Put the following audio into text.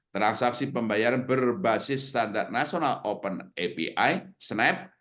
transaksi pembayaran berbasis standar nasional open api snap